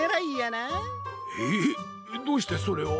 えっどうしてそれを。